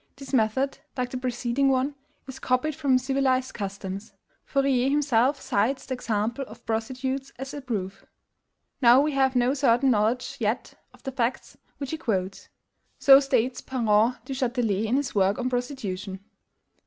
This method like the preceding one is copied from civilized customs. Fourier, himself, cites the example of prostitutes as a proof. Now we have no certain knowledge yet of the facts which he quotes. So states Parent Duchatelet in his work on "Prostitution."